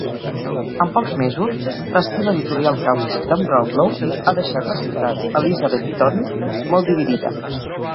En pocs mesos, l"estil editorial càustic de"n Brownlow ha deixat la ciutat Elizabethton molt dividida.